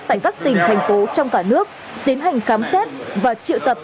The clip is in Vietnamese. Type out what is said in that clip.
tại các tỉnh thành phố trong cả nước tiến hành khám xét và triệu tập